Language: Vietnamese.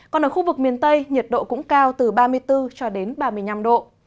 còn ở khu vực miền tây nhiệt độ cũng cao từ ba mươi bốn cho đến ba mươi năm độ